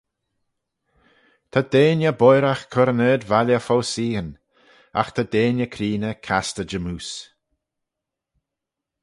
Ta deiney boiragh cur yn ard-valley fo seaghyn: agh ta deiney creeney castey jymmoose.